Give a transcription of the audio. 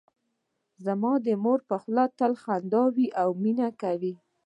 زما د مور په خوله تل خندا وي او مینه کوي